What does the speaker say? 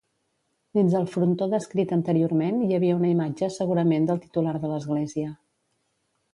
Dins el frontó descrit anteriorment hi havia una imatge segurament del titular de l'església.